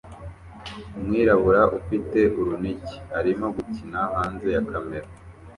Umwirabura ufite urunigi arimo gukina hanze ya kamera